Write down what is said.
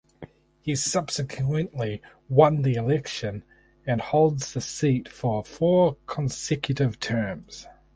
He subsequently won the election and holds the seat for four consecutive terms.